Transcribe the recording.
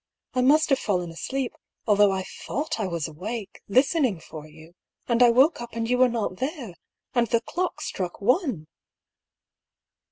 " I must have fallen asleep, although I thought I was awake, lis tening for you ; and I woke up and you were not there 1 And the clock struck one